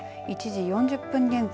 １時４０分現在